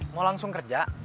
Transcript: mau langsung kerja